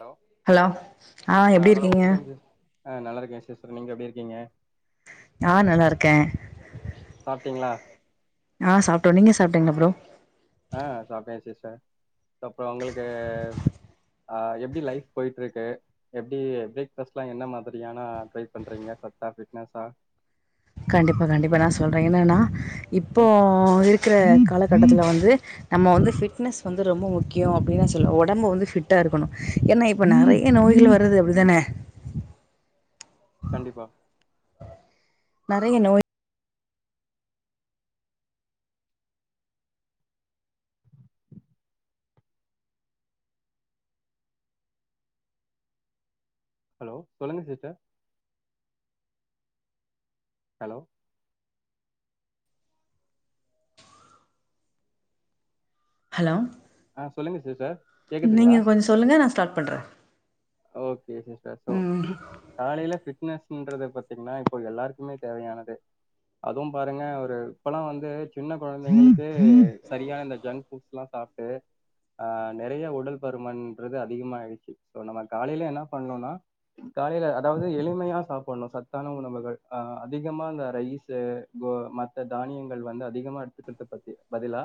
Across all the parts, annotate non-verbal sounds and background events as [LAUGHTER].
Hello hello ஆ எப்டி hello இருக்கீங்க வணக்கம் சிஸ் ஆ நல்ல இருக்கே சிஸ்டர் நீங்க எப்டி இருக்கீங்க நா நல்லாருக்கே சாப்ட்டீங்களா ஆ சாப்ட்டோ நீங்க சாப்பிட்டீங்கள ப்ரோ ஆ சாப்ட்டே சிஸ்டர் அப்றோ உங்களுக்கு ஆ எப்டி லைப் போய்ட்ருக்கு எப்டி பிரேக் பாஸ்ட்ல எல்லா என்ன மாதிரியான ட்ரை பண்றீங்க சாப்ட்டா திக்நஸ்ஸா கண்டிப்பா கண்டிப்பா நா சொல்றே என்னன்னா இப்போ இருக்கிற காலகட்டத்துல வந்து நம்ம வந்து பிட்னஸ் வந்து ரொம்ப முக்கியோ அப்பிட்லா சொல்ல உடம்ப வந்து பிட் டா இருக்கணு ஏன்னா இப்ப ம் நெறைய நோய்கள் வர்ரது அப்படிதானே கண்டிப்பா நறைய நோய் ஹலோ சொல்லுங்க சிஸ்டர் ஹலோ ஹலோ ஆ சொல்லுங்க சிஸ்டர் கேக்குதுங்களா நீங்க கொஞ்சோ சொல்லங்க நா ஸ்டார்ட் பண்றே ஓகே சிஸ்டர் சோ ம் காலைல பிட்னஸ் ங்கறத பாத்தீங்கன்னா இப்போ எல்லாருக்குமே தேவையானது அதுவு பாருங்க ஒரு இப்பெல்லா வந்து சின்ன கொழந்தைங்களுக்கு சரியா இந்த ஜங் ஃபுட்லா சாப்டு ஆ நெறையா உடல் பருமன்றது அதிகமாயிடுச்சு சோ நம்ம காலைலே என்ன பண்ணணும்னா காலைல அதாவது எளிமையா சாப்பட்ணு சத்தான உணவுகள்அ அதிகமா இந்த ரைஸு ப்போ மத்த தானியங்கள் வந்து அதிகமா எடுத்துக்கறதுக்கு பதிலா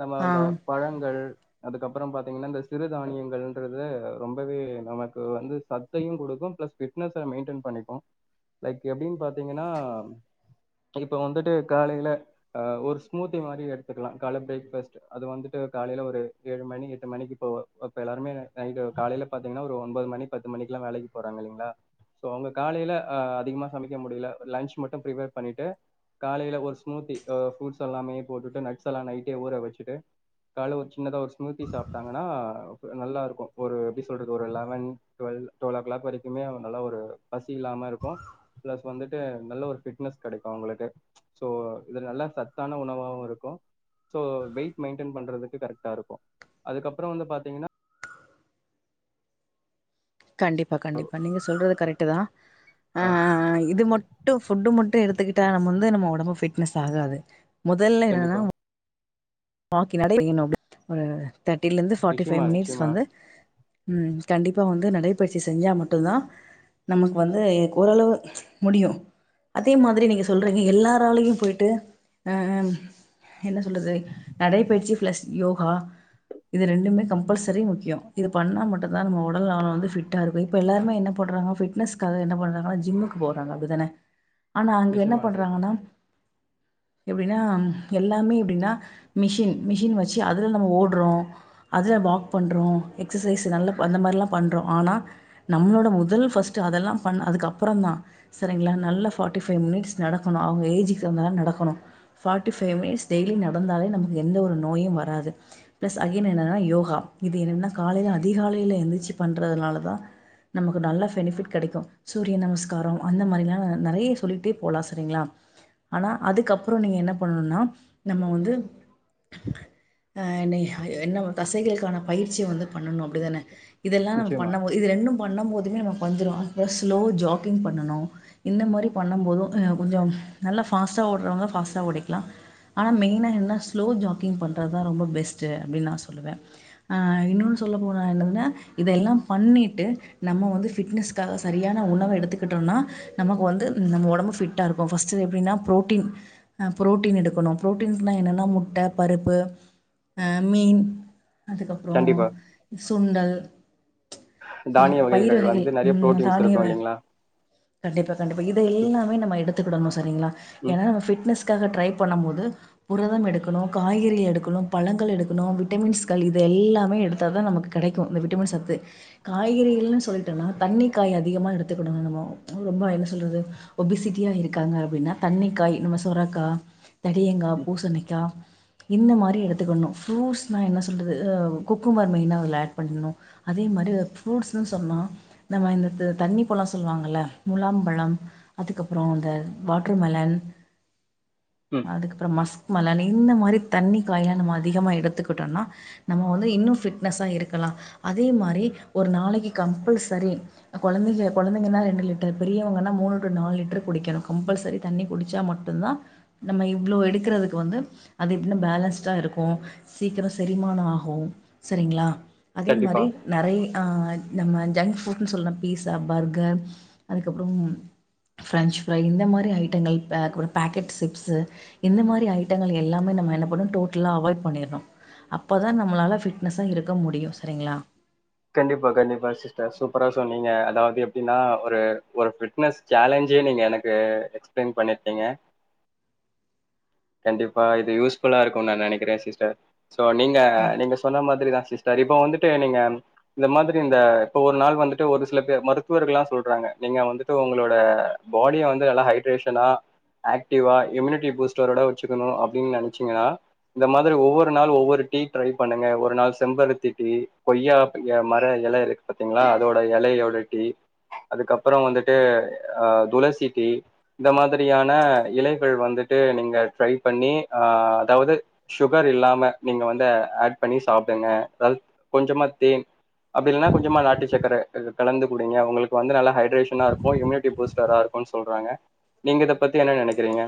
நம்ம ஆ இந்த பழங் அது அதுக்கப்புறமே பாத்தீங்கன்னா இந்த சிறு தானியங்கள்றது ரொம்பவே நமக்கு வந்து சத் தையு கொடுக்கு பிளஸ் பிட்னஸ்ஸ மெயின்டெயின் பண்ணிக்கு லைக் எப்டின்னு பாத்தீங்கன்னா இப்ப வந்துட்டு காலைல ஆ ஒரு ஸ்மூத்தி மாரி எடுத்துக்கலா கால்ல பிரேக்பாஸ்ட் அது வந்துட்டு காலைல ஒரு ஏழு மணி எட்டு மணிக்கு போ அப்போ எல்லாருமே நைட்டு காலைல பாத்தீங்கன்னா ஒரு ஒன்பது மணி பத்து மணிக்கெல்லா வேலைக் போறாங்க இல்லீங்களா சோ அவங்க காலைல ஆ அதிகமா சமைக்க முடில லன்ச் மட்டு பிரிபேர் பண்ணிட்டு காலையில ஒரு ஸ்மூத்தி ஃப்ரூட்ஸ் எல்லாமே போட்டுட்டு நட்ஸ் எல்லா நைட்டே ஊற வெச்சிட்டு காலைல ஒரு சின்னதா ஒரு ஸ்மூத்தி சாப்டாங்கன்னா நல்லா ஒரு எப்டி சொல்றது ஒரு eleven twelve twelve o'clock வரைக்குமே நல்லா ஒரு பசி இல்லாம இருக்கு பிளஸ் வந்துட்டு நல்ல ஒரு ஃபிட்னஸ் கெடைக்கு அவங்களுக்கு சோ இதுல நல்ல சத்தான உணவாவு இருக்கு சோ வெயிட் மெயின்டெயின் பண்றதுக்கு கே கரெக்டா இருக்கு அதுக்கப்றோ வந்து பாத்தீங்கன்னா கண்டிப்பா கண்டிப்பாக நீங்க சொல்றது கரெக்டு தா ஆ இது மட்டு ஃபுட்டு மட்டு எடுத்துக்கிட் நம்ப வந்து நம்ப உடம்பு பிட்னஸ் ஆகாது முதல்ல என்னானா கண்டிப்பா முட்ட வாக்கி நடை நீ நோக்கு ஒரு தேர்ட்டில இருந்து ஃபார்ட்டி நிச்சயமா பைவ் மினிட்ஸ் நிச்சயமா வந்து ம் கண்டிப்பா வந்து நடைபயிற்சி செஞ்சா மட்டுதா நமக்கு வந்து ஓரளவு முடியு அதே மாதிரி நீங்க சொல்றீங்க எல்லாராலையு போயிட்டு ஆ என்ன சொல்றது நடைபயிற்சி பிளஸ் யோகா இது ரெண்டுமே கம்பல்செரி முக்கியோ இது பண்ணா மட்டுதா நம்ம உடல் நலோ வந்து பிட்டா இருக்மே இப்போ எல்லருமே என்ன பண்ணறாங்க பிட்னஸ்காக என்ன பண்ணறாங்கன்னா ஜிம்முக்கு போறாங்க அப்டிதானே ஆனா அங்க என்ன நிச்சயமா ஆஷிஷ். பண்றாங்கன்னா எப்டின்னா எல்லாமே எப்டின்னா மிஷின் மிஷின் வச்சு அதுல நம்ம ஓடுறோ அதுல வாக் பண்றோ எக்ஸசைஸ் நல்லா அந்த மாரிலா பண்றோ ஆனா நம்மளோட முதல் ஃபஸ்ட் அதெல்லா பண் அதுக்கு அப்றோ தா சரிங்ளா நல்லா ஃபார்ட்டி ஃபைவ் மினிட்ஸ் நடக்கணு அவுங்க ஏஜிக்கு வந்தாலு நடக்கணு ஃபார்ட்டி ஃபைவ் மினிட்ஸ் டெய்லி நடந்தாலே நமக்கு எந்த ஒரு நோயு வராது ப்ளஸ் அகைன் என்னென்னா யோகா இது என்னென்னா காலைல அதிகாலைல எந்திரிச்சி பண்ணுறதுனால தா நமக்கு நல்ல பெனிஃபிட் கெடைக்கு சூரிய நமஸ்காரோ அந்த மாரிலாலா நெறைய சொல்லிகிட்டே போலா செரிங்ளா ஆனா அதுக்கு அப்றோ நீங்க என்ன பண்ணணும்னா நம்ம வந்து அ நீக என்ன தசைகளுக்கான பயிற்சிய வந்து பண்ணணு அப்டிதானே இதெல்லா நம்ம நிச்சயமா பண்ணமோது இது ரெண்டும் பண்ணபோதுமே நமக்கு வந்துரு அப்றோ ஸ்லோ ஜாகிங் பண்ணணு இந்த மாரி பண்ணம் போது ஆ கொஞ்சோ நல்லா ஃபாஸ்டா ஓடுறவங்க ஃபாஸ்ட்டா ஓடிக்லா ஆனா மெயினா என்ன ஸ்லோ ஜாக்கிங் பண்றதுதா ரொம்ப பெஸ்ட்டு அப்டின்னு நா சொல்லுவே ஆ இன்னொன்னு சொல்ல போனா என்னதுன்னா இதெல்லா பண்ணிட்டு நம்ம வந்து ஃபிட்னஸ்க்காக சரியான உணவ எடுத்துக்கிட்டோம்னா நமக்கு வந்து நம்ம ஒடம்பு ஃபிட்டா இருக்கு ஃபஸ்ட் எப்டின்னா பு்ரோட்டீன் ஆ ப்ரோட்டீன் எடுக்கணு ப்ரோட்டீஸ்னா என்னென்னா முட் முட்ட பருப்பு ஆ மீன் அதுக்கப்றோ கண்டிப்பா சுண்டல் சுண்ட் தானிய பயிரு வகைகள் வந்து நெறைய ம் புரோட்டீன்ஸ் இருக்கு தானியவ இல்லைங்களா கண்டிப்பா கண்டிப்பா இத ம் எல்லாமே நம்ம எடுத்துக்கிடணு சரிங்ளா ம் ஏனா நம்ம ஃபிட்னஸ்க்காக ட்ரை பண்ணம் போது புரதம் எடுக் டுக்கணு காய்கறி எடுக்கணு பழங்கள் எடுக்கணு விட்டமின்ஸ்கள் இத எல்லாமே எடுத்தா தா நமக்கு கெடைக்கு இந்த விட்டமின் சத்து காய்கறிகள்னு சொல்டேனா தண்ணி காய் அதிகமா எடுத்துக்கிடனு நம்ம ரொம்ப என்ன சொல்றது ஒபிசிட்டியா இருக்காங்க அப்டின்னா தண்ணிக்காய் நம்ம சொரக்கா தடியங்கா ம் பூசணிக்கா இந்த மாரி எடுத்துக்கணு ஃப்ரூட்ஸ்னா என்ன சொல்றது குக்கும்பர் மெயினா அதுல ஆட் பண்ணணு அதே மாரி ஒரு ஃப்ரூட்ஸ்ன்னு சொன்னா நம்ம இந்த தண்ணி பழோ சொல்லுவாங்கல்ல முலாம்பழம் அதுக்கு அப்றோ இந்த வாட்ர்மெலன் ம். அதுக்கு அப்றோ மஸ்க் மலன் இந்த மாரி தண்ணி காய்லா நம்ம அதிகமாக எடுத்துக்கிட்டோம்னா நம்ம வந்து இன்னு ஃபிட்னஸா இருக்கலா அதே மாரி ஒரு நாளைக்கு கம்பல்சரி கொழந்தைங்க கொழந்தைங்கன்னா ரெண்டு லிட்டர் பெரியவங்கன்னா மூணு டு நாலு லிட்டர் குடிக்கணு கம்பல்சரி தண்ணி குடிச்சா மட்டுதா நம்ம இவ்ளோ எடுக்குறதுக் கு வந்து அது இன்னு பேலன்ஸ்டா இருக்கு சீக்ர செரிமான ஆகு சரிங்களா அதே கண்டிப்பா மாரி நெறை ஆ நம்ம ஜங்க் ஃபுட்ன்னு சொல்ற பீஸா பர்கர் அதுக்கப்றோ ப்ரென்ச் ஃப்ரை இந்த மாரி ஐட்டங்கள் பே பேக்கெட் சிப்ஸ்ஸூ இந்த மாரி ஐட் டங்கள் எல்லாமே நம்ம என்ன பண்ணு டோட்டலா அவாய்ட் பண்ணிறனு அப்ப தா நம்மளால ஃபிட்னஸ்ஸா இருக்க முடியு சரிங்ளா கண்டிப்பா கண்டிப்பா சிஸ்டர் சூப்பரா சொன்னீங்க அதாவது எப்டின்னா ஒரு ஒரு ஃபிட்னஸ் சேலஞ்சயே நீங்க எனக்கு எக்ஸ்பிளைன் பண்ணிடீங்க கண்டிப்பா இது யூஸ் ஃபுல்லா இருக்கு நா நெனக்கிறே சிஸ்டர் சோ நீங்க ம் நீங்க சொன்ன மாதிரிதா சிஸ்டர் இப்போ வந்துட்டு நீங்க இந்த மாதிரி இந்த இப்ப ஒரு நாள் வந்துட்டு ஒரு சில பேர் மருத்துவர்கள்லா சொல்றாங்க நீங்க வந்துட்டு உங்களோட பாடிய வந்து நல்ல ஹைட்ரேஷனா ஆக்டிவா இம்யூனிட்டி பூஸ்ட் டரோட வெச்சிக்கணு அப்டின்னு நெனச்சீங்கன்னா இந்த மாதிரி ஒவ்வொரு நாள் ஒவ்வொரு டீ ட்ரை பண்ணுங்க ஒரு நாள் செம்பருத்தி டீ கொய்யா மர எல இருக்கு பாத்தீங்ளா அதோட எலையோட டீ அதுக்கப்பறோ வந்துட்டு அ துளசி டீ இந்த மாதிரியான இலைகள் வந்துட்டு நீங்க ட்ரை பண்ணி ஆ அதாவது சுகர் இல்லாம நீங்க வந்து ஆட் பண்ணி சாப்டுங்க அதாவது கொஞ்சமா தேன் அப்டி இல்னா கொஞ்சமா நாட்டு சக்கர கலந்து குடிங்க ஒங்களுக்கு வந்து நல்ல ஹைட்ரேஷனா இருக்கு இம்யூனிட்டி பூஸ்ட் டரா இருக்குன்னு சொல்றாங்க நீங்க இத பத்தி என்ன நெனக்கிறீங்க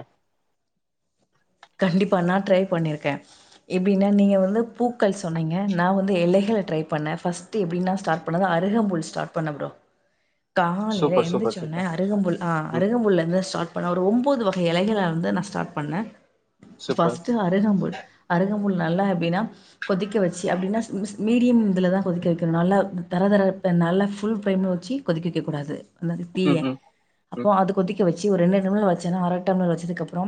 கண்டிப்பா நா ட்ரை பண்ணிருக்க எப்டின்னா நீங்க வந்து பூக்கள் சொன்னீங்க நா வந்து எலைகள் ட்ரை பண்ண ஃபஸ்ட் டு எப்டினா ஸ்டார்ட் பண்ணத அருகம்புல் ஸ்டார்ட் பண்ண ப்ரோ [INAUDIBLE] காலையிலே சூப்பர் எந்திச்ச சூப்பர் ஒன்னே சூப்பர் அருகம்புல் நா ம் அருகம்புல்லருந்து ஸ்டார்ட் பண்ண ஒரு ஒம்போது வகை எலைகள வந்து நா ஸ்டார்ட் பண்ண சூப்பர் ஃபஸ்ட்டு அருகம்புல் அருகம்புல் நல்லா எப்டின்னா கொதிக்க வச்சு அப்டின்னா மிஸ் மிடியம் இதுலதா கொதிக்க வைக்கணு நல்ல தர தர இப்ப நல்ல ஃபுல் ஃபேம்ல்ல வச்சி கொதிக்க வக்ககூடாது அது தீய ம் ம் அப்போ ம் அது கொதிக்க வச்சு ஒரு ரெண்டு நிமிட வச்சன்னா அர டம்லர் வச்சதுக்கு அப்பறோ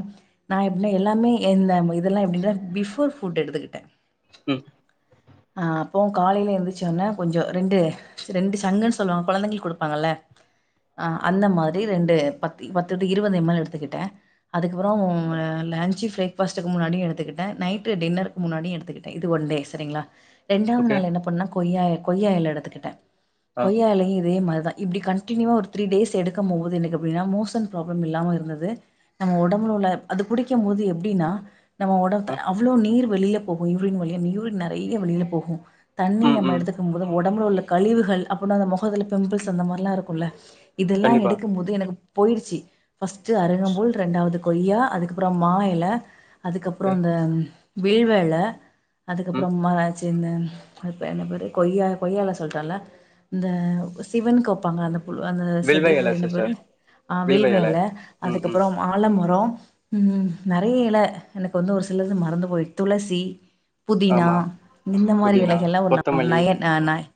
நா என்ன எல்லாமே இந்த இதெல்லா எப்டின்னா பிஃபோர் ஃபுட் எடுத்துக்கிட்ட ம் அ அப்போ காலையில எந்திச்ச ஒன்னே கொஞ்சோ ரெண்டு ரெண்டு சங்குன்னு சொல்லுவாங்க கொழந்தைங்களுக்கு குடுப்பாங்கல்ல அ அந்த மாரி ரெண்டு பத்தி பத்து ட்டு இருவது எம் எல் எடுத்துக்கிட்ட அதுக்கப்புற லன்ச்சு ஃபிரேக் ஃபஸ்ட்டுக்கு முன்னாடியு எடுத்துக்கிட்ட நைட்டு டின்னர் முன்னாடியு எடுத்துக்கிட்ட இது ஒன் டே சரிங்களா ரெண்டாவது ஓகே நாள் என்ன பண்ண கொய்யா கொய்யா எல எடுத்துக்கிட்ட ஆ கொய்யா எலயு இதே மார்தா இப்டி கண்டினியூவா ஒரு த்ரீ டேஸ் எடுக்கம் போது எனக்கு எப்டின்னா மோசன் ப்ராப்ளம் இல்லாம இருந்தது நம்ம ஒடம்புல உள்ள அது குடிக்கம் போது எப்டினா நம்ம ஒடம்பு ஆ அவ்ளோ நீர் வெளியில போகு யூரின் வழியா யூரின் நெறயா வெளில போகு தண்ணி ம் நம்ம ம் எடுத்துக்கும் போது ஒடம்புல உள்ள கழிவுகள் அப்போன்னா அந்த மொகத்துல பிம்பிள்ஸ் அந்த மாரில்லா இருக்குல்ல இதுல்லா கண்டிப்பா எடுக்கும் போது எனக்கு போய்ருச்சு ஃபஸ்ட்டு அருகம்புல் ரெண்டாவது கொய்யா அதுக்கப்பறோ மா எல அதுக்கப்பறோ ஓகே இந்த வில்வ எல ம் அதுப்பறம் ம சின்ந்தன் அது பேரு என்ன பேரு கொய்யா கொய்யா எல சொல்ட்டல்ல இந்த சிவன்க்கு வைப்பாங்க அந்த அந்த வில்வ செடி எல பேரு என்ன பேரு சிஸ்டர் ஆ வில்வ எல ம் ம் அதுக்கப்பறோ ஆலமரோ ம் நெறய எல எனக்கு வந்து ஒரு சிலது மறந்து போய் துளசி புதினா ஆமா இந்த மாறி புதினா எலைகள்லா ஒரு ந கொத்தமல்லி நயன் நயன் நயன்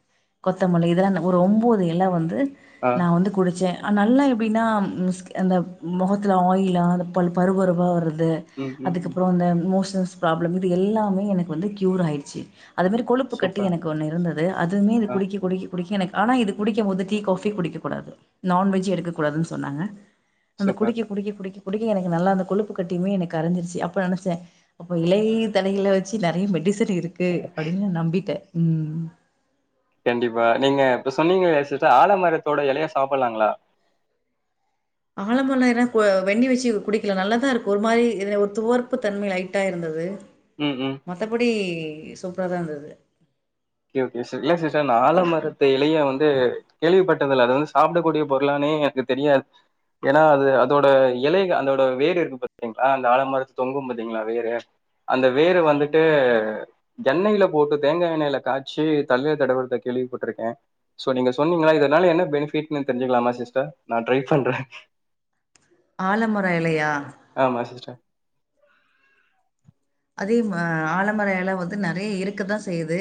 கொத்தமல்லி இத எல்லா ஒரு ஒம்போது எல வந்து ஆ நா வந்து குடிச்சே நல்லா எப்டின்னா ஸ் அந்த மொகத்துல ஆயிலா அந்த பல் பரு பருவா வரது ம் ம் ம் அதுக்கப்புறே அந்த மோஷன்ஸ் ப்ராப்ளம் இது எல்லாமே எனக்கு வந்து கியூர் ஆயிடுச்சு அது மாறி கொழுப்பு கட்டி சூப்பர் எனக்கு ஒன்னு இருந்தது அதுவுமே இது ஆ குடிக்க குடிக்க குடிக்க எனக்கு ஆனா இது குடிக்கம் போது டீ காஃபி குடிக்ககூடாது நன்வெஜ் எடுக்கக் கூடாதுன்னு சொன்னாங்க அந்த சூப்பர் குடிக்க குடிக்க குடிக்க குடிக்க எனக்கு நல்லா அந்த கொழுப்பு கட்டியுமே எனக்கு கரஞ்சிருச்சு அப்ப நெனச்ச அப்ப இலை தலைகள வ வச்சு நெறய மெடிசன் இருக்கு அப்டின்னு நம்பிட்டே ம் கண்டிப்பா நீங்க இப்ப சொன்னீங்களே சிஸ்டர் ஆலமரத்தோட எலய சாப்பல்லாங்களா ஆலமர எல அ வெண்ணி வச்சு குடிக்கல நல்லதா இருக்கு ஒரு மாரி ஒரு துவர்ப்பு தன்மை லைட்டா இருந்தது ம் ம் மத்தபடி சூப்பரா தா இருந்தது ஓகே ஓகே சிஸ் இல்ல சிஸ்டர் இந்த ஆலமரத்து இலய வந்து கேள்விப்பட்டதில்ல அது வந்து சாப்புடக்கூடிய பொருளானே எனக்கு தெரியாது ஏன்னா அது அதோட எலைகள் அதோட வேறு இருக்கு பாத்தீங்களா அந்த ஆலமரத்துல தொங்கு பாத்தீங்களா வேரு அந்த வேரு வந்துட்டு எண்ணையில போட்டு தேங்காய் எண்ணொயில காட்சி தள்ளி இந் தடவரத்த கேள்விப்பட்டிருக்கே சோ நீங்க சொன்னீங்களா இதனால என்ன பெனிஃபிட்ன்னு தெரிஞ்சிகலாமா சிஸ்டர் நா ட்ரை பண்ற [INAUDIBLE] ஆலமரோ இலையா ஆமா சிஸ்டர் அதே மா ஆலமர இலை வந்து நெறைய இருக்க தா செய்யுது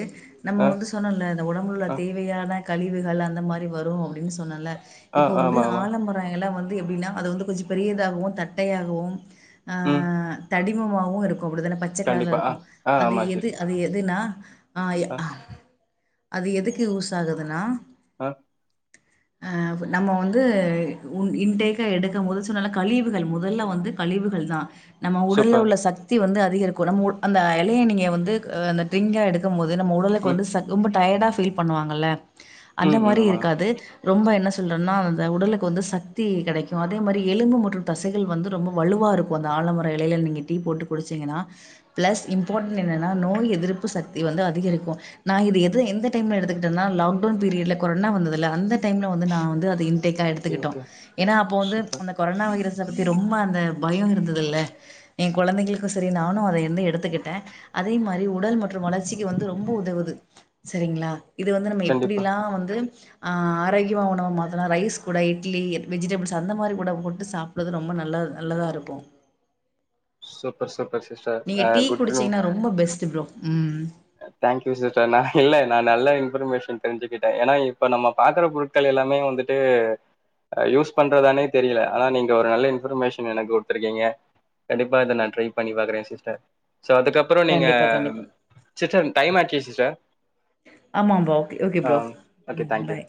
நம்ம ஆ வந்து சொன்னல இந்த உடம்புள ஆ தேவையான கழிவுகள் அந்த மாறி வரு அப்புடின்னு சொன்னல ஆ, இப்போ வந்து ஆமா, ஆமா. ஆலமரோ இலை வந்து எப்புடின்னா அது வந்து கொஞ்சே பெரியதாகவு தட்டையாகவு ஆ ம். தடிமமாவு இருக்கு அப்புடிதான பச்சை கலர்ல கண்டிப்பா. ஆ, இருக்கு ஆ, அது ஆமா. சரி. எது அது எதுனா ஆ அது எதுக்கு யூஸ் ஆகுதுன்னா அ ஆ நம்ம வந்து உன் இன்டேக்கா எடுக்கு போது சொன்னல்ல கழிவுகள் முதல்ல வந்து கழிவுகள் தா நம்ம உடல்ல சூப்பர். உள்ள சக்தி வந்து அதிகரிக்கு நம்ம அந்த இலைய நீங்க வந்து ஆ அந்த டிரிங்கா எடுக்கு போது நம்ம உடலுக்கு ம், வந்து ச ரொம்ப டயர்டா ஃபீல் பண்ணுவாங்கல்ல அந்த ம், ம். மாறி ஆமா. இருக்காது ரொம்ப என்ன சொல்றோன்னா அந்த உடலுக்கு வந்து சக்தி கிடைக்கு அதே மாறி எலும்பு மற்றும் தசைகள் வந்து ரொம்ப வலுவா இரு க்கு அந்த ஆலமர இலையில நீங்க டீ போட்டு குடிச்சிங்கன்னா ப்ளஸ் இம்பார்ட்டண்ட் என்னென்னா நோய் எதிர்ப்பு சக்தி வந்து அதிகரிக்கு நா இது எது எந்த டைம்ல எடுத்துக்கிட்டேன லாக்டவுன் பீரியட்ல கொரோனா வந்ததுல்ல அந்த டைம்ல வந்து நா வந்து அது க்கா ஓகே, எடுத்துக்கிட்டோ ஓகே. ஏன்னா அப்போ வந்து சூப்பர். அந்த கொரோனா வைரஸ்ச பத்தி ரொம்ப அந்த பயம் இருந்தது இல்ல என் குழந்தைகளுக்கு சேரி நானு அத இருந்து எடுத்துக்கிட்டே அதே மாறி உடல் மற்றும் வளர்ச்சிக்கு வந்து ரொம்ப உதவுது சரிங்களா இது வந்து நம்ம கண்டிப்பா. எப்புடிலா வந்து ஆ ஆரோக்கிய உணவு மாதிரா ரைஸ் கூட இட்லி எ வெஜிடபிள்ஸ் அந்த மாறி கூட போட்டு சாப் புறது ரொம்ப நல்ல நல்லா தா இருபோ சூப்பர் சூப்பர் சிஸ்டர் நீங்க அ டீ குட் டு குடிச்சிங்ன்னா ரொம்ப பெஸ்ட் ப்ரோ ம் தேங்க்யூ சிஸ்டர் நா இல்ல நா நல்ல இன்ஃபர்மேஷன் தெரிஞ்சுகிட்ட ஏனா இப்ப நம்ம பாக்குற பொரு ட்கள் எல்லாமே வந்துட்டு யூஸ் பண்றதானே தெரியல ஆனா நீங்க ஒரு நல்ல இன்ஃபர்மேஷன் எனக்கு குடுத்துருக்கிங்க கண்டிப்பா இத நா ட்ரை பண்ணி பாக்குறே சிஸ்டர் சோ அதுக்கப்பற நீங்க கண்டிப்பா கண்டிப்பா சிஸ்டர் டைம் ஆச்சு சிஸ்டர் ஆமா போக் ஓகே ஆ bro okay. Thank you. Bye